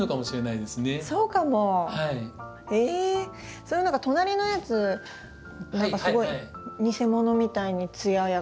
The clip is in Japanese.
その隣のやつ何かすごい偽物みたいに艶やか。